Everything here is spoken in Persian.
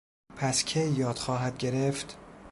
پس کی یاد خواهد گرفت؟